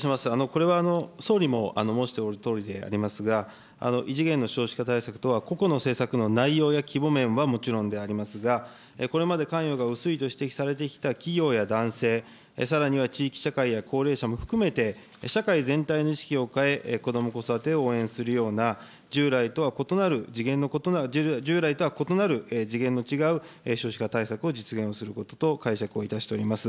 これは総理も申しておるとおりでありますが、異次元の少子化対策とは、個々の政策の内容や規模面はもちろんでありますが、これまで関与が薄いと指摘されてきた企業や男性、さらには地域社会や高齢者も含めて、社会全体の意識を変え、こども・子育てを応援するような、従来とは異なる、従来とは異なる、次元の違う少子化対策を実現することと解釈をいたしております。